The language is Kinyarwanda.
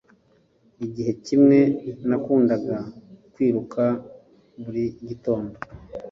Igihe kimwe, nakundaga kwiruka buri gitondo.